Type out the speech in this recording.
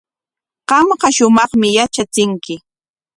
Qamqa shumaqmi yatrachinki.